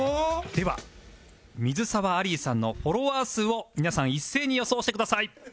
では水沢アリーさんのフォロワー数を皆さん一斉に予想してください